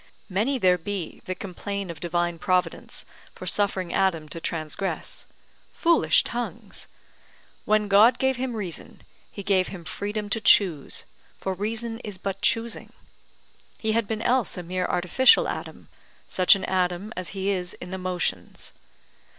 Many there be that complain of divine Providence for suffering Adam to transgress; foolish tongues! When God gave him reason, he gave him freedom to choose, for reason is but choosing; he had been else a mere artificial Adam, such an Adam as he is in the motions.